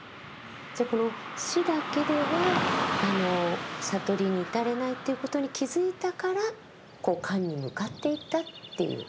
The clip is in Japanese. じゃこの「止」だけでは悟りに至れないということに気づいたからこう「観」に向かっていったっていう。